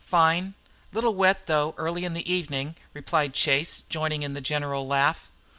"Fine. Little wet, though, early in the evening," replied Chase, joining in the general laugh.